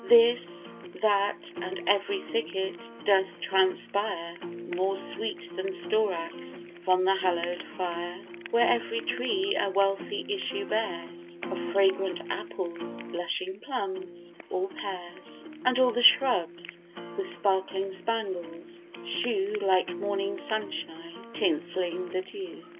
This, that, and ev'ry thicket doth transpire More sweet than storax from the hallow'd fire; Where ev'ry tree a wealthy issue bears Of fragrant apples, blushing plums, or pears; And all the shrubs, with sparkling spangles, shew Like morning sun shine, tinselling the dew.